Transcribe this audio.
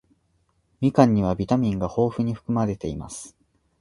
みかんにはビタミンが豊富に含まれています。